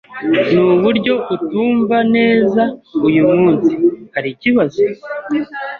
Nuburyo utumva neza uyu munsi. Hari ikibazo?